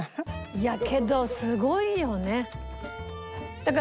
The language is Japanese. いやけどすごいよね。